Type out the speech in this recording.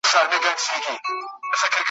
پوښتنه به کوی د زمولېدلو ګلغوټیو .